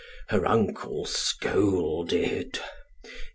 Her uncle scolded.